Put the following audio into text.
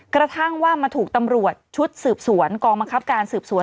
กระทั่งว่ามาถูกตำรวจชุดสืบสวนกองบังคับการสืบสวน